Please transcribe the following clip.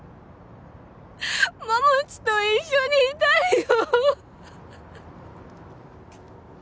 桃地と一緒にいたいよ！